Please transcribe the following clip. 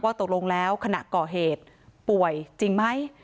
ตกลงแล้วขณะก่อเหตุป่วยจริงไหม